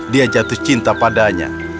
dia jatuh cinta padanya